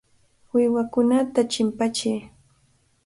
Uywakunata chimpachiy.